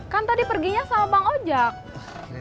kan tadi perginya sama bang ojek